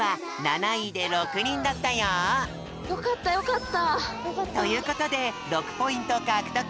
よかったよかった。ということで６ポイントかくとく！